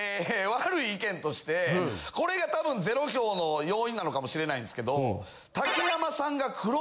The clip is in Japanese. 悪い意見としてこれが多分０票の要因なのかもしれないんすけど。